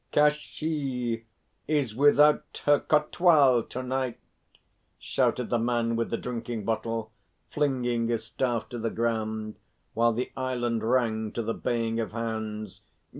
"Kashi is without her Kotwal to night," shouted the Man with the drinking bottle, flinging his staff to the ground, while the island rang to the baying of hounds.